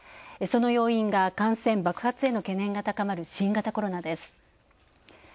その要因が感染爆発への懸念が高まる新型コロナです。